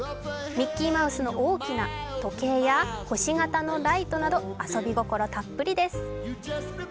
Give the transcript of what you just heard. ミッキーマウスの大きな時計や星形のライトなど遊び心たっぷりです。